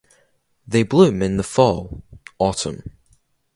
They bloom in the fall (autumn).